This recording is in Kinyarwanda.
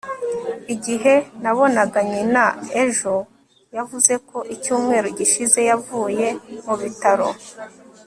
Igihe nabonaga nyina ejo yavuze ko icyumweru gishize yavuye mu bitaro